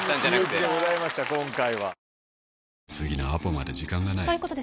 美幸でございました今回は。